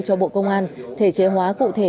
cho bộ công an thể chế hóa cụ thể